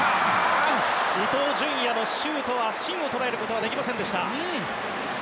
伊東純也のシュートは芯を捉えることはできませんでした。